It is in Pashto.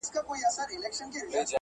ما له پلاره اورېدلي په کتاب کي مي لیدلي،